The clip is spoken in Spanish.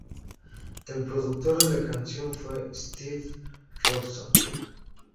El productor de la canción fue Steve Robson.